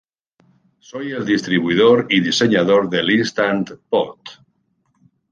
Son el distribuidor y diseñador del Instant Pot.